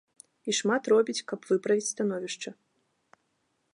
І шмат робіць, каб выправіць становішча.